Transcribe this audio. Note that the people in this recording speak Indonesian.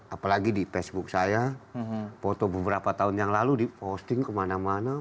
apalagi di facebook saya foto beberapa tahun yang lalu diposting kemana mana